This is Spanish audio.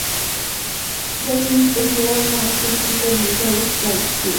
Joan y Edith estudiaron una maestría en química en la Universidad de Syracuse.